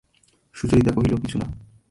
সুচরিতা কহিল, কিছু না।